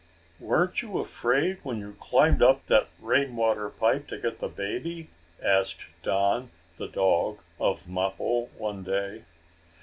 "Weren't you afraid when you climbed up that rain water pipe to get the baby?" asked Don the dog of Mappo, one day.